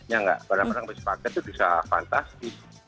ya enggak barang barang habis paket itu bisa fantastis